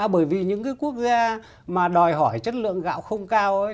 bởi vì những cái quốc gia mà đòi hỏi chất lượng gạo không cao